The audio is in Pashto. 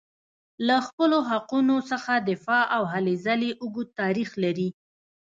له خپلو حقونو څخه دفاع او هلې ځلې اوږد تاریخ لري.